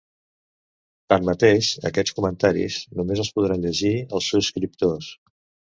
Tanmateix, aquests comentaris només els podran llegir els subscriptors.